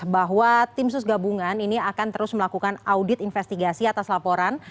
bahwa tim sus gabungan ini akan terus melakukan audit investigasi atas laporan